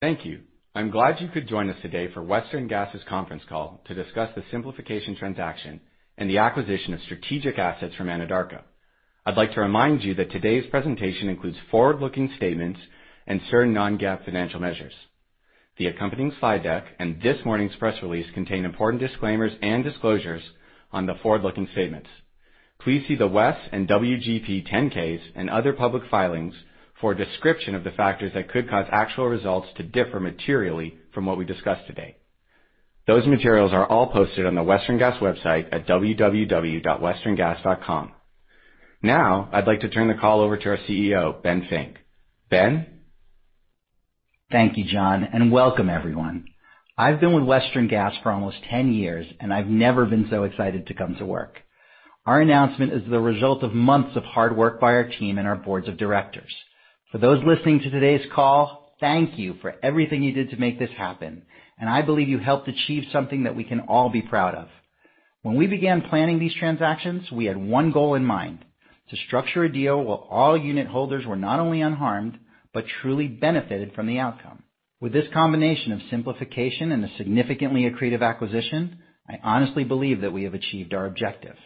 Thank you. I'm glad you could join us today for Western Gas's conference call to discuss the simplification transaction and the acquisition of strategic assets from Anadarko. I'd like to remind you that today's presentation includes forward-looking statements and certain non-GAAP financial measures. The accompanying slide deck and this morning's press release contain important disclaimers and disclosures on the forward-looking statements. Please see the WES and WGP 10-Ks and other public filings for a description of the factors that could cause actual results to differ materially from what we discuss today. Those materials are all posted on the Western Gas website at www.westerngas.com. Now, I'd like to turn the call over to our CEO, Ben Fink. Ben? Thank you, Jon. Welcome everyone. I've been with Western Gas for almost 10 years. I've never been so excited to come to work. Our announcement is the result of months of hard work by our team and our Boards of Directors. For those listening to today's call, thank you for everything you did to make this happen. I believe you helped achieve something that we can all be proud of. When we began planning these transactions, we had one goal in mind, to structure a deal where all unit holders were not only unharmed but truly benefited from the outcome. With this combination of simplification and a significantly accretive acquisition, I honestly believe that we have achieved our objective.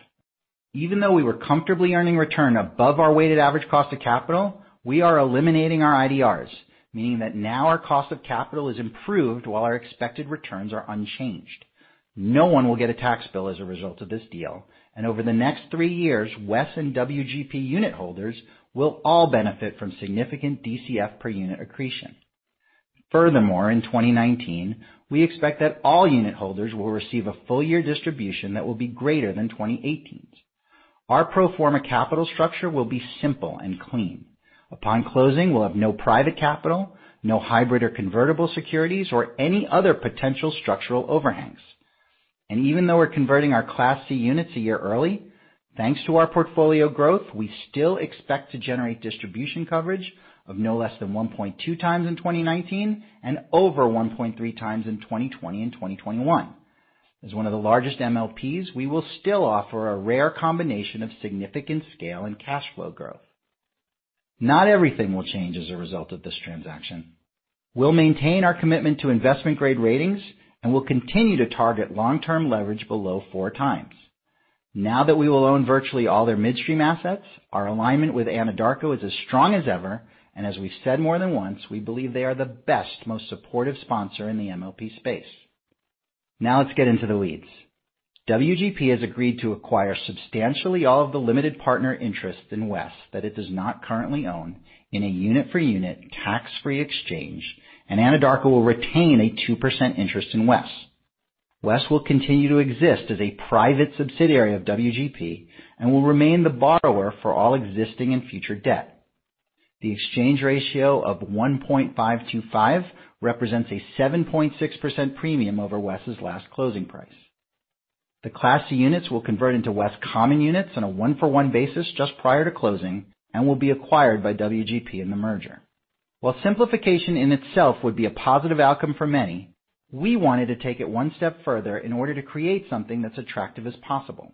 Even though we were comfortably earning return above our weighted average cost of capital, we are eliminating our IDRs, meaning that now our cost of capital is improved while our expected returns are unchanged. No one will get a tax bill as a result of this deal. Over the next three years, WES and WGP unit holders will all benefit from significant DCF per unit accretion. Furthermore, in 2019, we expect that all unit holders will receive a full-year distribution that will be greater than 2018's. Our pro forma capital structure will be simple and clean. Upon closing, we'll have no private capital, no hybrid or convertible securities, or any other potential structural overhangs. Even though we're converting our Class C units a year early, thanks to our portfolio growth, we still expect to generate distribution coverage of no less than 1.2x in 2019. Over 1.3x in 2020 and 2021. As one of the largest MLPs, we will still offer a rare combination of significant scale and cash flow growth. Not everything will change as a result of this transaction. We'll maintain our commitment to investment-grade ratings. We'll continue to target long-term leverage below 4x. Now that we will own virtually all their midstream assets, our alignment with Anadarko is as strong as ever. As we've said more than once, we believe they are the best, most supportive sponsor in the MLP space. Now let's get into the weeds. WGP has agreed to acquire substantially all of the limited partner interest in WES that it does not currently own in a unit-for-unit, tax-free exchange, and Anadarko will retain a 2% interest in WES. WES will continue to exist as a private subsidiary of WGP and will remain the borrower for all existing and future debt. The exchange ratio of 1.525 represents a 7.6% premium over WES's last closing price. The Class C units will convert into WES common units on a 1-for-1 basis just prior to closing and will be acquired by WGP in the merger. While simplification in itself would be a positive outcome for many, we wanted to take it one step further in order to create something that's attractive as possible.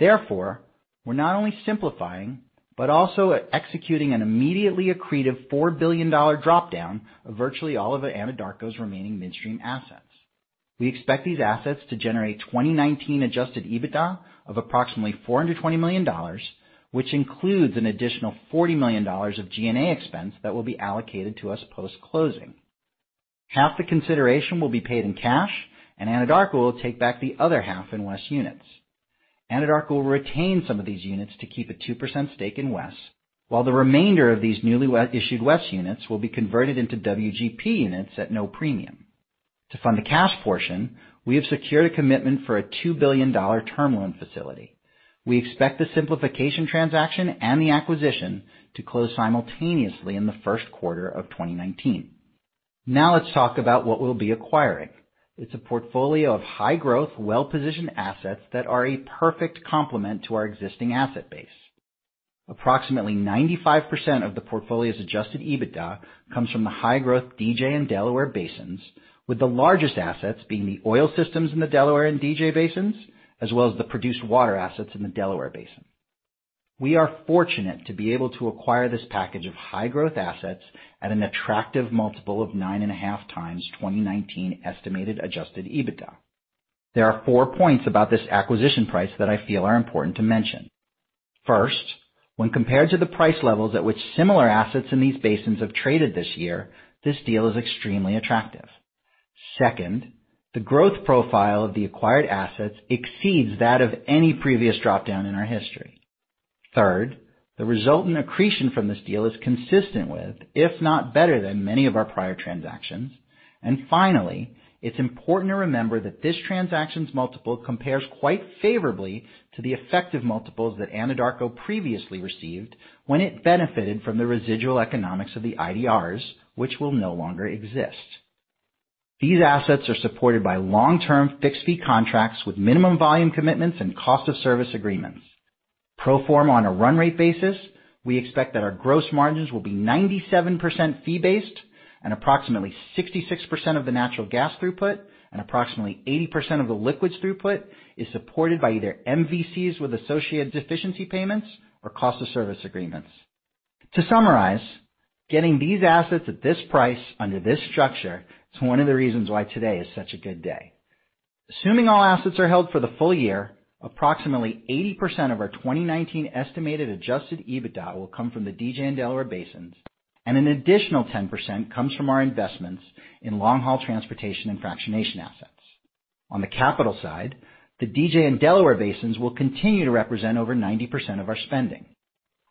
Therefore, we're not only simplifying, but also executing an immediately accretive $4 billion drop-down of virtually all of Anadarko's remaining midstream assets. We expect these assets to generate 2019 adjusted EBITDA of approximately $420 million, which includes an additional $40 million of G&A expense that will be allocated to us post-closing. Half the consideration will be paid in cash, Anadarko will take back the other half in WES units. Anadarko will retain some of these units to keep a 2% stake in WES, while the remainder of these newly issued WES units will be converted into WGP units at no premium. To fund the cash portion, we have secured a commitment for a $2 billion term loan facility. We expect the simplification transaction and the acquisition to close simultaneously in the first quarter of 2019. Let's talk about what we'll be acquiring. It's a portfolio of high-growth, well-positioned assets that are a perfect complement to our existing asset base. Approximately 95% of the portfolio's adjusted EBITDA comes from the high-growth DJ and Delaware Basins, with the largest assets being the oil systems in the Delaware and DJ Basins, as well as the produced water assets in the Delaware Basin. We are fortunate to be able to acquire this package of high-growth assets at an attractive multiple of 9.5x 2019 estimated adjusted EBITDA. There are four points about this acquisition price that I feel are important to mention. First, when compared to the price levels at which similar assets in these basins have traded this year, this deal is extremely attractive. Second, the growth profile of the acquired assets exceeds that of any previous drop-down in our history. Third, the resultant accretion from this deal is consistent with, if not better than, many of our prior transactions. Finally, it's important to remember that this transaction's multiple compares quite favorably to the effective multiples that Anadarko previously received when it benefited from the residual economics of the IDRs, which will no longer exist. These assets are supported by long-term fixed-fee contracts with minimum volume commitments and cost-of-service agreements. Pro forma on a run-rate basis, we expect that our gross margins will be 97% fee-based, approximately 66% of the natural gas throughput, and approximately 80% of the liquids throughput is supported by either MVCs with associated deficiency payments or cost of service agreements. To summarize, getting these assets at this price under this structure is one of the reasons why today is such a good day. Assuming all assets are held for the full year, approximately 80% of our 2019 estimated adjusted EBITDA will come from the DJ and Delaware Basins, and an additional 10% comes from our investments in long-haul transportation and fractionation assets. On the capital side, the DJ and Delaware Basins will continue to represent over 90% of our spending.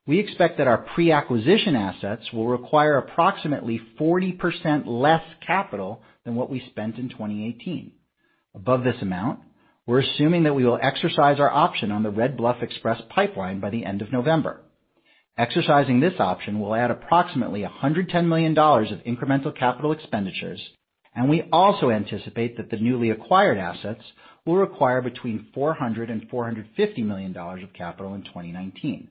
We expect that our pre-acquisition assets will require approximately 40% less capital than what we spent in 2018. Above this amount, we're assuming that we will exercise our option on the Red Bluff Express pipeline by the end of November. Exercising this option will add approximately $110 million of incremental capital expenditures, and we also anticipate that the newly acquired assets will require between $400 million and $450 million of capital in 2019.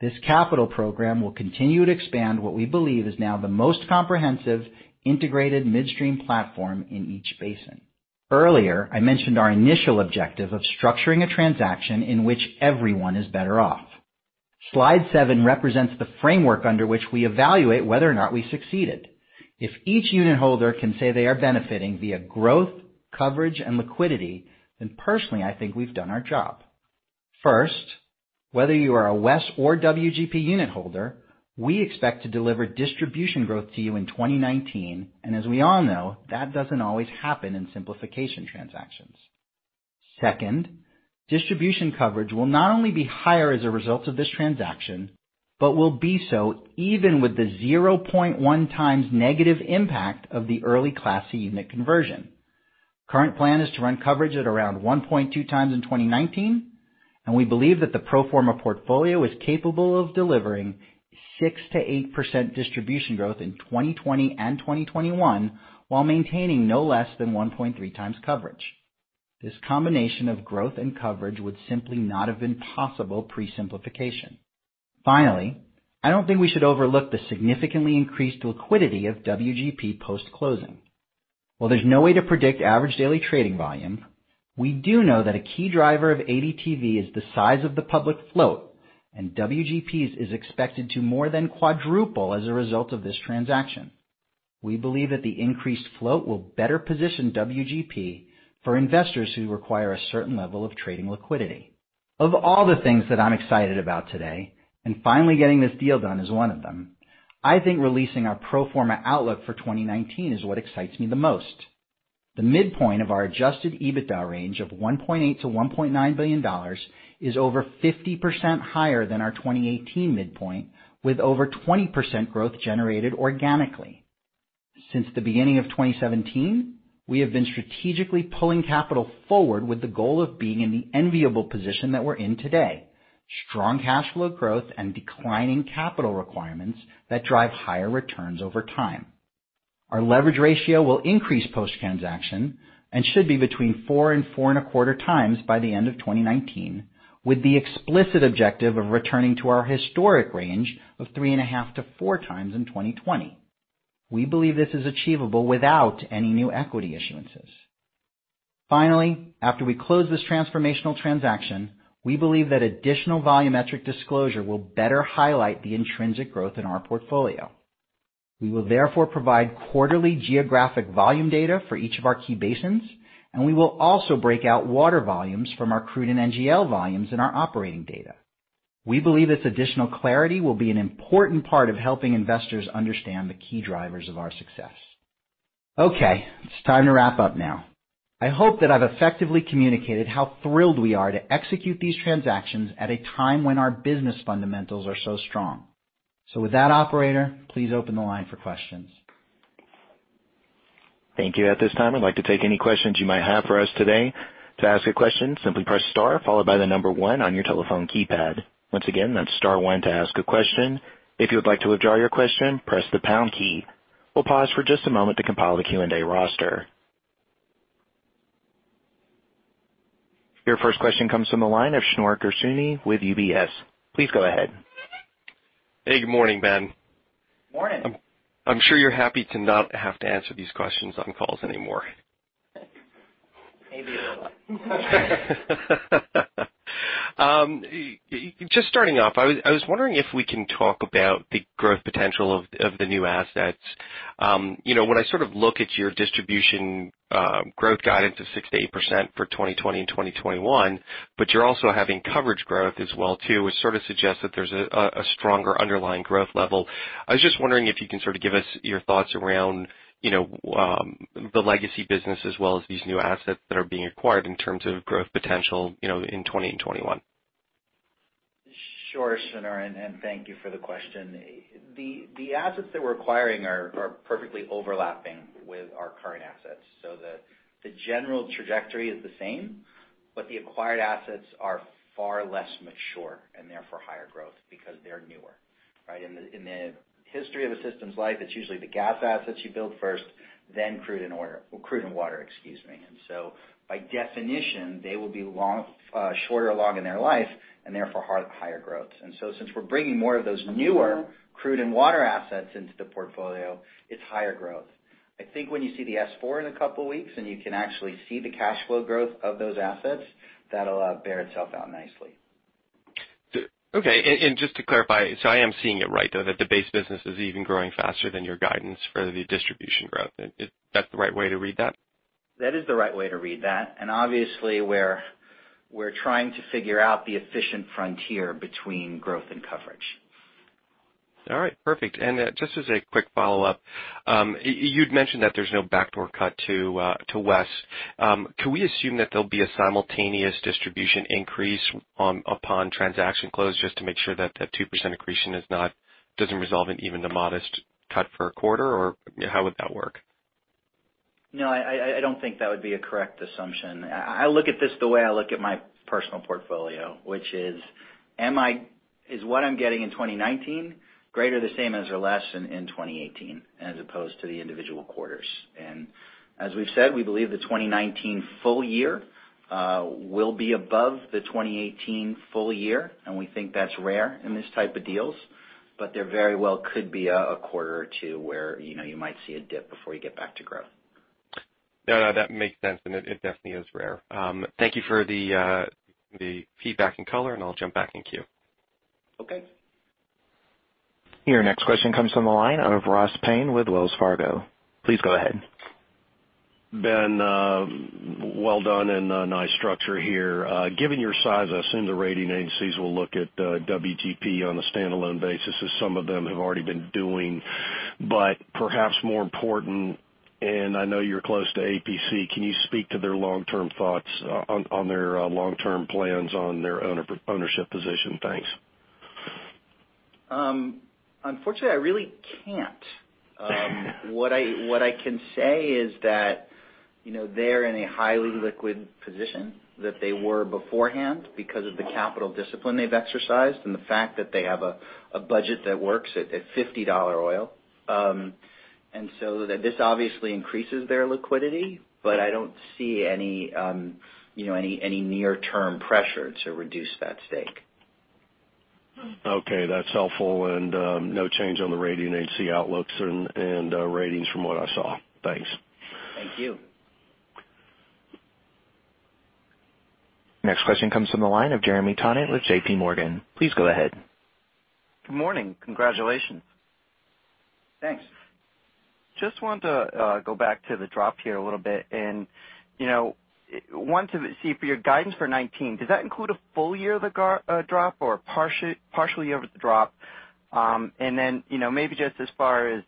This capital program will continue to expand what we believe is now the most comprehensive, integrated midstream platform in each basin. Earlier, I mentioned our initial objective of structuring a transaction in which everyone is better off. Slide seven represents the framework under which we evaluate whether or not we succeeded. If each unitholder can say they are benefiting via growth, coverage, and liquidity, then personally, I think we've done our job. First, whether you are a WES or WGP unitholder, we expect to deliver distribution growth to you in 2019, and as we all know, that doesn't always happen in simplification transactions. Second, distribution coverage will not only be higher as a result of this transaction, but will be so even with the 0.1x negative impact of the early Class C unit conversion. Current plan is to run coverage at around 1.2x in 2019, and we believe that the pro forma portfolio is capable of delivering 6%-8% distribution growth in 2020 and 2021, while maintaining no less than 1.3x coverage. This combination of growth and coverage would simply not have been possible pre-simplification. Finally, I don't think we should overlook the significantly increased liquidity of WGP post-closing. While there's no way to predict average daily trading volume, we do know that a key driver of ADTV is the size of the public float, and WGP's is expected to more than quadruple as a result of this transaction. We believe that the increased float will better position WGP for investors who require a certain level of trading liquidity. Of all the things that I'm excited about today, finally getting this deal done is one of them, I think releasing our pro forma outlook for 2019 is what excites me the most. The midpoint of our adjusted EBITDA range of $1.8 billion-$1.9 billion is over 50% higher than our 2018 midpoint, with over 20% growth generated organically. Since the beginning of 2017, we have been strategically pulling capital forward with the goal of being in the enviable position that we're in today. Strong cash flow growth and declining capital requirements that drive higher returns over time. Our leverage ratio will increase post-transaction and should be between four and 4.25x by the end of 2019, with the explicit objective of returning to our historic range of 3.5-4x in 2020. We believe this is achievable without any new equity issuances. Finally, after we close this transformational transaction, we believe that additional volumetric disclosure will better highlight the intrinsic growth in our portfolio. We will therefore provide quarterly geographic volume data for each of our key basins, and we will also break out water volumes from our crude and NGL volumes in our operating data. We believe this additional clarity will be an important part of helping investors understand the key drivers of our success. Okay, it's time to wrap up now. I hope that I've effectively communicated how thrilled we are to execute these transactions at a time when our business fundamentals are so strong. With that, operator, please open the line for questions. Thank you. At this time, I'd like to take any questions you might have for us today. To ask a question, simply press star, followed by the number one on your telephone keypad. Once again, that's star one to ask a question. If you would like to withdraw your question, press the pound key. We'll pause for just a moment to compile the Q&A roster. Your first question comes from the line of Shneur Gershuni with UBS. Please go ahead. Hey, good morning, Ben. Morning. I'm sure you're happy to not have to answer these questions on calls anymore. Maybe a little. Just starting off, I was wondering if we can talk about the growth potential of the new assets. When I sort of look at your distribution growth guidance of 6%-8% for 2020 and 2021, you're also having coverage growth as well too, which sort of suggests that there's a stronger underlying growth level. I was just wondering if you can sort of give us your thoughts around the legacy business as well as these new assets that are being acquired in terms of growth potential in 2020 and 2021. Sure, Shneur, and thank you for the question. The assets that we're acquiring are perfectly overlapping with our current assets. The general trajectory is the same, but the acquired assets are far less mature and therefore higher growth because they're newer, right? In the history of a system's life, it's usually the gas assets you build first, then crude and water. By definition, they will be shorter along in their life and therefore higher growth. Since we're bringing more of those newer crude and water assets into the portfolio, it's higher growth. I think when you see the S-4 in a couple of weeks, and you can actually see the cash flow growth of those assets, that'll bear itself out nicely. Just to clarify, I am seeing it right though, that the base business is even growing faster than your guidance for the distribution growth. That's the right way to read that? That is the right way to read that. Obviously, we're trying to figure out the efficient frontier between growth and coverage. Just as a quick follow-up, you'd mentioned that there's no backdoor cut to WES. Can we assume that there'll be a simultaneous distribution increase upon transaction close, just to make sure that that 2% accretion doesn't resolve in even a modest cut for a quarter? Or how would that work? I don't think that would be a correct assumption. I look at this the way I look at my personal portfolio, which is what I'm getting in 2019 greater, the same as, or less than in 2018, as opposed to the individual quarters. As we've said, we believe the 2019 full year will be above the 2018 full year, and we think that's rare in this type of deals, but there very well could be a quarter or two where you might see a dip before you get back to growth. No, that makes sense. It definitely is rare. Thank you for the feedback and color, I'll jump back in queue. Okay. Your next question comes from the line of Ross Payne with Wells Fargo. Please go ahead. Oscar, well done and nice structure here. Given your size, I assume the rating agencies will look at WGP on a standalone basis, as some of them have already been doing. Perhaps more important, I know you're close to APC, can you speak to their long-term thoughts on their long-term plans on their ownership position? Thanks. Unfortunately, I really can't. What I can say is that they're in a highly liquid position that they were beforehand because of the capital discipline they've exercised and the fact that they have a budget that works at $50 oil. So this obviously increases their liquidity, but I don't see any near-term pressure to reduce that stake. Okay, that's helpful. No change on the rating agency outlooks and ratings from what I saw. Thanks. Thank you. Next question comes from the line of Jeremy Tonet with JPMorgan. Please go ahead. Good morning. Congratulations. Thanks. Just wanted to go back to the drop here a little bit, wanted to see for your guidance for 2019, does that include a full year of the drop or a partial year of the drop? Then, maybe just as far as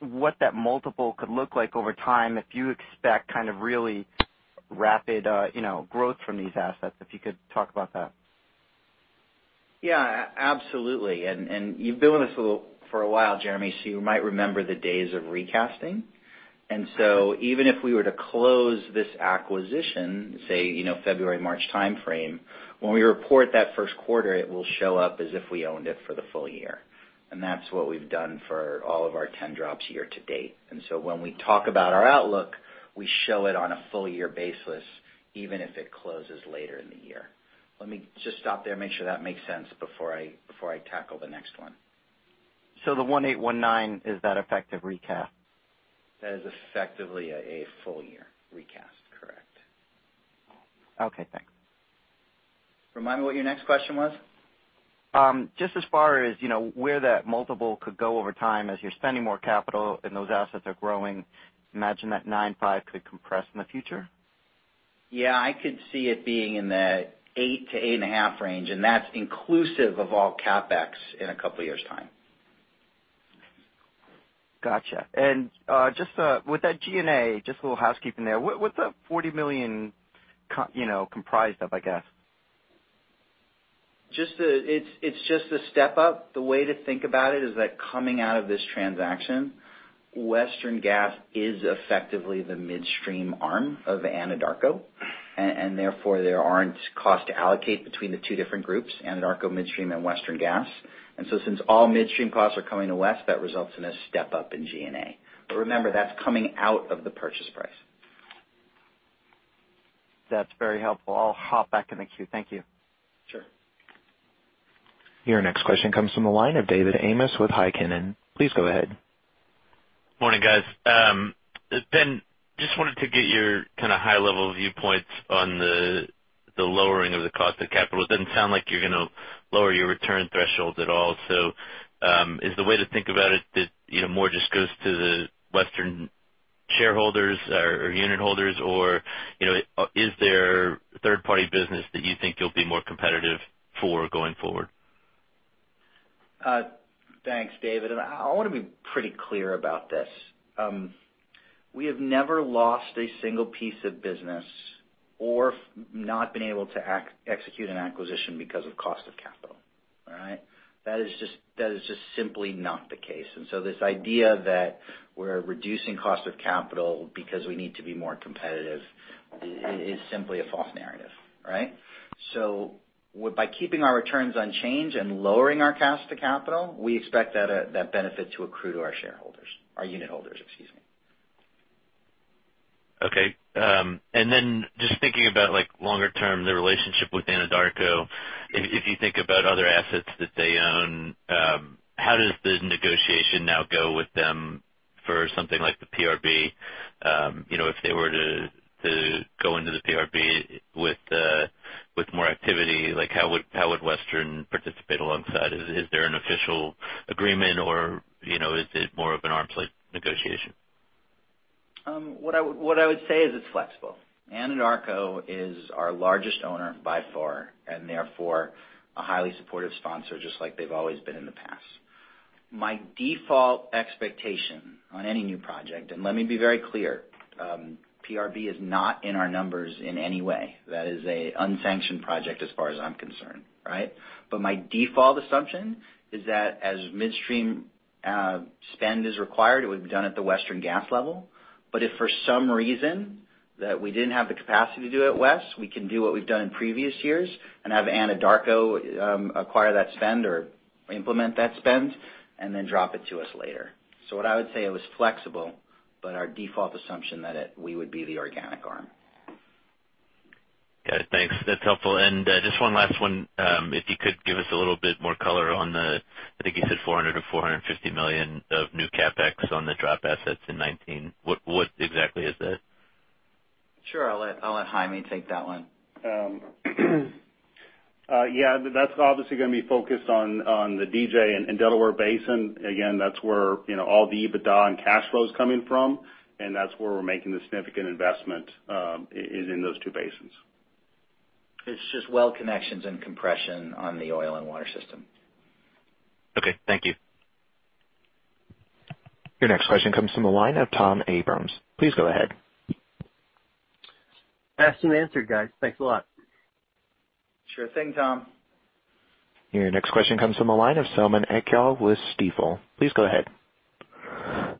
what that multiple could look like over time if you expect kind of really rapid growth from these assets, if you could talk about that? Yeah, absolutely. You've been with us for a while, Jeremy, so you might remember the days of recasting. Even if we were to close this acquisition, say February, March timeframe, when we report that first quarter, it will show up as if we owned it for the full year. That's what we've done for all of our 10 drops year to date. When we talk about our outlook, we show it on a full year basis, even if it closes later in the year. Let me just stop there and make sure that makes sense before I tackle the next one. The 2018-2019, is that effective recast? That is effectively a full year recast. Correct. Okay, thanks. Remind me what your next question was. Just as far as where that multiple could go over time as you're spending more capital and those assets are growing, imagine that 9.5 could compress in the future? Yeah, I could see it being in the eight to 8.5 range, and that's inclusive of all CapEx in a couple of years' time. Got you. Just with that G&A, just a little housekeeping there. What's that $40 million comprised of, I guess? It's just a step up. The way to think about it is that coming out of this transaction, Western Gas is effectively the midstream arm of Anadarko, therefore there aren't costs to allocate between the two different groups, Anadarko Midstream and Western Gas. Since all midstream costs are coming to WES, that results in a step up in G&A. Remember, that's coming out of the purchase price. That's very helpful. I'll hop back in the queue. Thank you. Sure. Your next question comes from the line of David Amoss with Heikkinen. Please go ahead. Morning, guys. Ben, just wanted to get your kind of high-level viewpoints on the lowering of the cost of capital. It doesn't sound like you're going to lower your return threshold at all. Is the way to think about it that more just goes to the Western shareholders or unit holders, or is there third-party business that you think you'll be more competitive for going forward? Thanks, David. I want to be pretty clear about this. We have never lost a single piece of business or not been able to execute an acquisition because of cost of capital. All right? That is just simply not the case. This idea that we're reducing cost of capital because we need to be more competitive is simply a false narrative. Right? By keeping our returns unchanged and lowering our cost to capital, we expect that benefit to accrue to our shareholders, our unit holders, excuse me. Okay. Just thinking about longer term, the relationship with Anadarko. If you think about other assets that they own, how does the negotiation now go with them? For something like the PRB, if they were to go into the PRB with more activity, how would Western participate alongside? Is there an official agreement or is it more of an arms-length negotiation? It's flexible. Anadarko is our largest owner by far, and therefore a highly supportive sponsor, just like they've always been in the past. My default expectation on any new project, and let me be very clear, PRB is not in our numbers in any way. That is an unsanctioned project as far as I'm concerned. My default assumption is that as midstream spend is required, it would be done at the Western Gas level. If for some reason that we didn't have the capacity to do it WES, we can do what we've done in previous years and have Anadarko acquire that spend or implement that spend, and then drop it to us later. What I would say, it was flexible, but our default assumption that we would be the organic arm. Got it. Thanks. That's helpful. Just one last one. If you could give us a little bit more color on the, I think you said $400 million-$450 million of new CapEx on the drop assets in 2019. What exactly is that? Sure. I'll let Jaime take that one. Yeah, that's obviously going to be focused on the DJ and Delaware Basin. Again, that's where all the EBITDA and cash flow is coming from, and that's where we're making the significant investment, is in those two basins. It's just well connections and compression on the oil and water system. Okay, thank you. Your next question comes from the line of Tom Abrams. Please go ahead. Asked and answered, guys. Thanks a lot. Sure thing, Tom. Your next question comes from the line of Selman Akyol with Stifel. Please go ahead.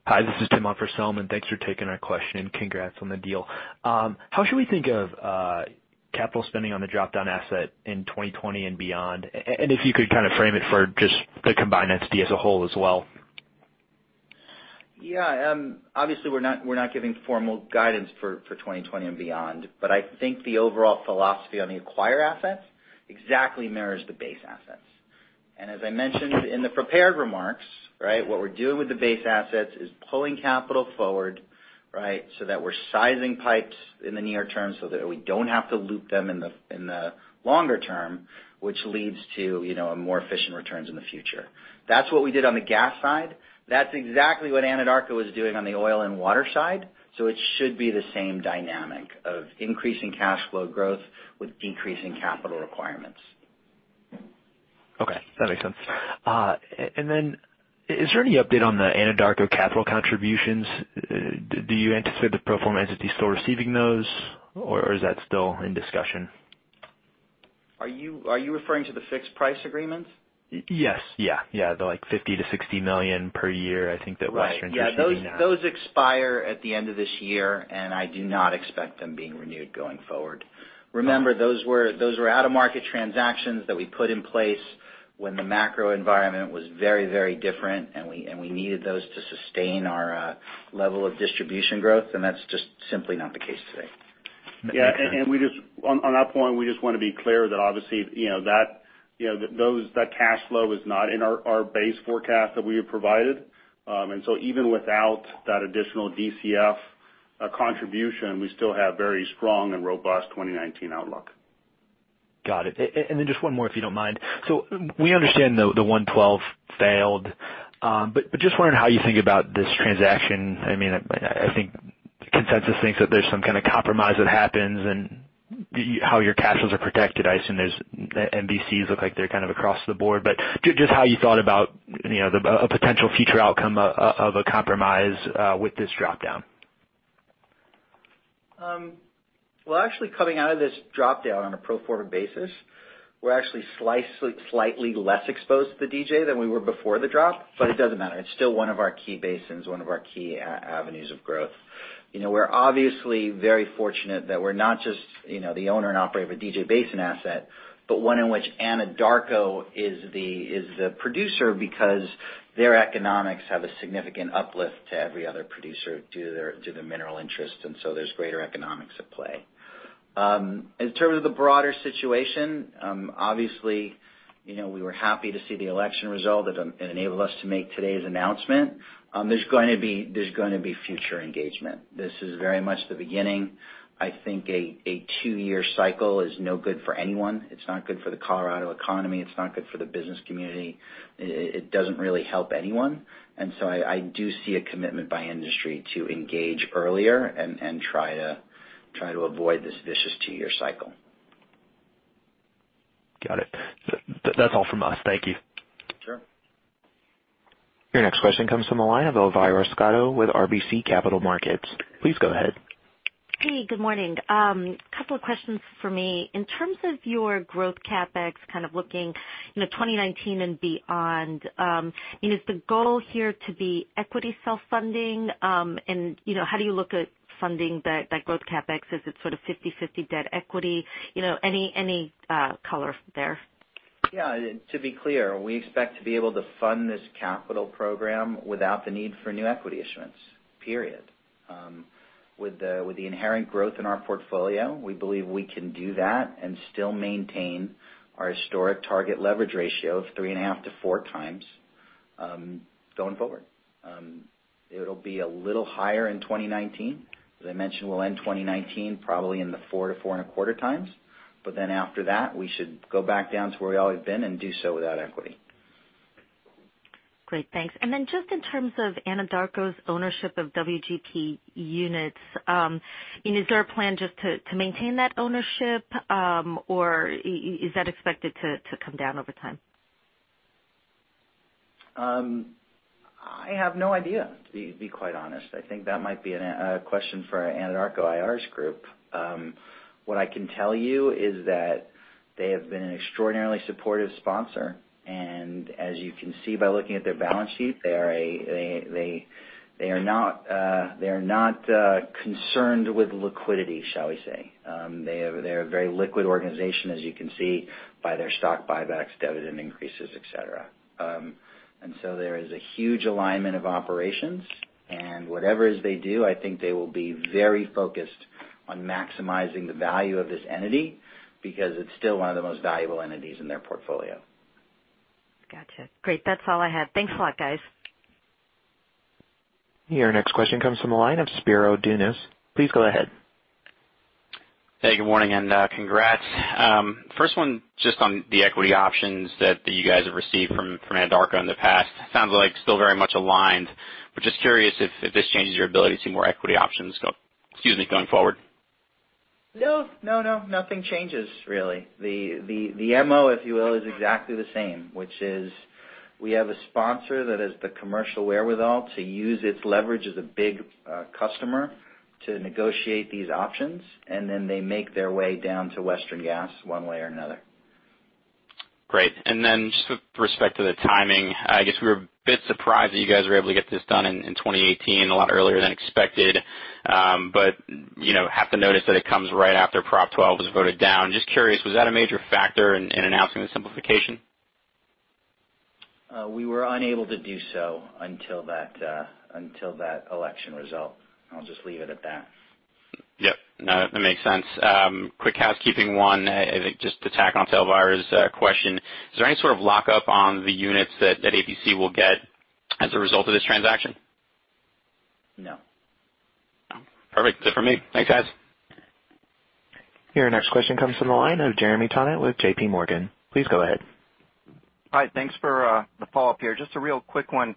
Hi, this is Selman. Thanks for taking our question, and congrats on the deal. How should we think of capital spending on the drop-down asset in 2020 and beyond? If you could kind of frame it for just the combined entity as a whole as well. Yeah. Obviously, we're not giving formal guidance for 2020 and beyond, I think the overall philosophy on the acquire assets exactly mirrors the base assets. As I mentioned in the prepared remarks, what we're doing with the base assets is pulling capital forward, so that we're sizing pipes in the near term so that we don't have to loop them in the longer term, which leads to more efficient returns in the future. That's what we did on the gas side. That's exactly what Anadarko is doing on the oil and water side. It should be the same dynamic of increasing cash flow growth with decreasing capital requirements. That makes sense. Is there any update on the Anadarko capital contributions? Do you anticipate the pro forma entity still receiving those, or is that still in discussion? Are you referring to the fixed price agreements? Yes. The $50 million-$60 million per year, I think. Right. Yeah. Those expire at the end of this year. I do not expect them being renewed going forward. Remember, those were out-of-market transactions that we put in place when the macro environment was very different and we needed those to sustain our level of distribution growth. That's just simply not the case today. On that point, we just want to be clear that obviously, that cash flow is not in our base forecast that we have provided. Even without that additional DCF contribution, we still have very strong and robust 2019 outlook. Got it. Just one more, if you don't mind. We understand the 112 failed. Just wondering how you think about this transaction. I think consensus thinks that there's some kind of compromise that happens, and how your cash flows are protected. I assume there's MVCs look like they're kind of across the board. Just how you thought about a potential future outcome of a compromise with this drop down. Well, actually, coming out of this drop down on a pro forma basis, we're actually slightly less exposed to DJ than we were before the drop, but it doesn't matter. It's still one of our key basins, one of our key avenues of growth. We're obviously very fortunate that we're not just the owner and operator of a DJ basin asset, but one in which Anadarko is the producer because their economics have a significant uplift to every other producer due to mineral interest, and so there's greater economics at play. In terms of the broader situation, obviously, we were happy to see the election result that enabled us to make today's announcement. There's going to be future engagement. This is very much the beginning. I think a two-year cycle is no good for anyone. It's not good for the Colorado economy. It's not good for the business community. It doesn't really help anyone. I do see a commitment by industry to engage earlier and try to avoid this vicious two-year cycle. Got it. That's all from us. Thank you. Sure. Your next question comes from the line of Elvira Scotto with RBC Capital Markets. Please go ahead. Hey, good morning. Couple of questions for me. In terms of your growth CapEx, kind of looking 2019 and beyond, is the goal here to be equity self-funding? How do you look at funding that growth CapEx? Is it sort of 50/50 debt equity? Any color there? Yeah. To be clear, we expect to be able to fund this capital program without the need for new equity issuance. With the inherent growth in our portfolio, we believe we can do that and still maintain our historic target leverage ratio of 3.5-4x, going forward. It'll be a little higher in 2019. As I mentioned, we'll end 2019, probably in the 4-4.25x. After that, we should go back down to where we've always been and do so without equity. Great. Thanks. Just in terms of Anadarko's ownership of WGP units, is there a plan just to maintain that ownership? Or is that expected to come down over time? I have no idea, to be quite honest. I think that might be a question for Anadarko IR's group. What I can tell you is that they have been an extraordinarily supportive sponsor. As you can see by looking at their balance sheet, they are not concerned with liquidity, shall we say. They're a very liquid organization, as you can see by their stock buybacks, dividend increases, et cetera. There is a huge alignment of operations and whatever is they do, I think they will be very focused on maximizing the value of this entity because it's still one of the most valuable entities in their portfolio. Gotcha. Great. That's all I had. Thanks a lot, guys. Your next question comes from the line of Spiro Dounis. Please go ahead. Hey, good morning and congrats. First one just on the equity options that you guys have received from Anadarko in the past. Sounds like still very much aligned, but just curious if this changes your ability to see more equity options, excuse me, going forward. No. Nothing changes really. The MO, if you will, is exactly the same, which is we have a sponsor that has the commercial wherewithal to use its leverage as a big customer to negotiate these options, and then they make their way down to Western Gas one way or another. Great. Just with respect to the timing, I guess we were a bit surprised that you guys were able to get this done in 2018, a lot earlier than expected. Half the notice that it comes right after Proposition 112 was voted down. Just curious, was that a major factor in announcing the simplification? We were unable to do so until that election result. I'll just leave it at that. Yep. No, that makes sense. Quick housekeeping one, I think just to tack on Elvira's question. Is there any sort of lockup on the units that APC will get as a result of this transaction? No. Perfect. That's it for me. Thanks, guys. Your next question comes from the line of Jeremy Tonet with JPMorgan. Please go ahead. Hi. Thanks for the follow-up here. Just a real quick one.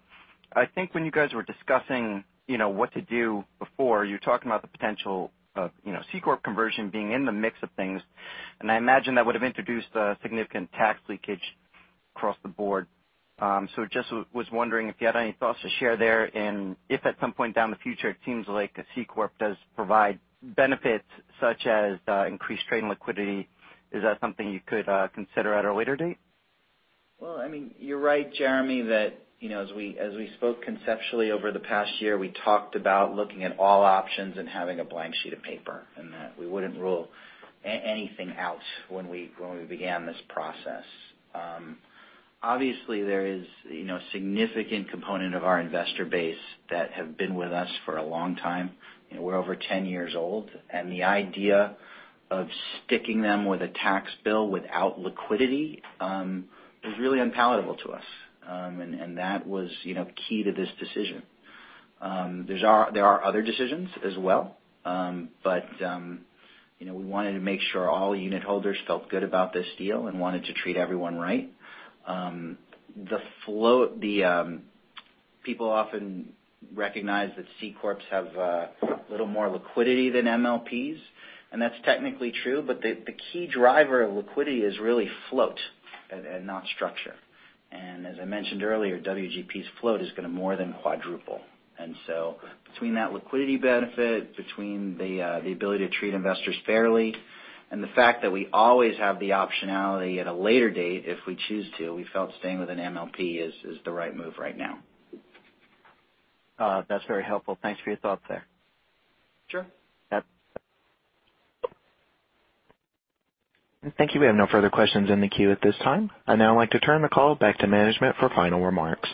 I think when you guys were discussing what to do before, you talked about the potential of C-corp conversion being in the mix of things. I imagine that would have introduced a significant tax leakage across the board. Just was wondering if you had any thoughts to share there, and if at some point down the future it seems like a C-corp does provide benefits such as increased trading liquidity, is that something you could consider at a later date? You're right, Jeremy, that as we spoke conceptually over the past year, we talked about looking at all options and having a blank sheet of paper, and that we wouldn't rule anything out when we began this process. Obviously, there is a significant component of our investor base that have been with us for a long time. We're over 10 years old, and the idea of sticking them with a tax bill without liquidity, is really unpalatable to us. That was key to this decision. There are other decisions as well, but we wanted to make sure all unit holders felt good about this deal and wanted to treat everyone right. People often recognize that C-corps have a little more liquidity than MLPs, and that's technically true, but the key driver of liquidity is really float and not structure. As I mentioned earlier, WGP's float is going to more than quadruple. Between that liquidity benefit, between the ability to treat investors fairly, and the fact that we always have the optionality at a later date if we choose to, we felt staying with an MLP is the right move right now. That's very helpful. Thanks for your thoughts there. Sure. Yep. Thank you. We have no further questions in the queue at this time. I'd now like to turn the call back to management for final remarks.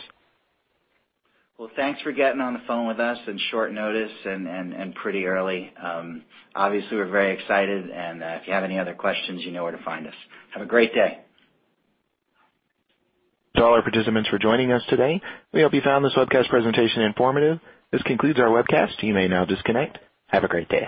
Well, thanks for getting on the phone with us in short notice and pretty early. Obviously, we're very excited and if you have any other questions, you know where to find us. Have a great day. To all our participants for joining us today. We hope you found this webcast presentation informative. This concludes our webcast. You may now disconnect. Have a great day.